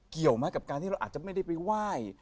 เกี่ยวไหมกับการที่เราอาจจะไม่ได้ไปไหว้